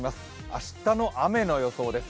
明日の雨の予想です。